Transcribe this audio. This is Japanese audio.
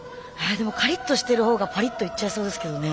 でもカリッとしてる方がパリッといっちゃいそうですけどね。